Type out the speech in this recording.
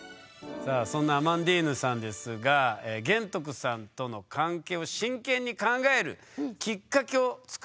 さあそんなアマンディーヌさんですが玄徳さんとの関係を真剣に考えるきっかけを作った人がいたそうです。